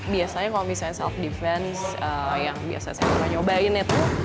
biasanya kalau misalnya self defense yang biasa saya pernah nyobain itu